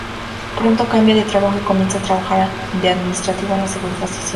Pronto cambia de trabajo y comienza a trabajar de administrativo en la Seguridad Social.